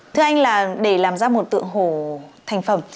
thưa anh để làm ra một tượng hổ thành phẩm